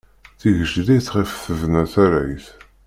Tigejdit ɣef tebna tarrayt.